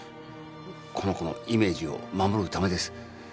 この子のイメージを守るためです。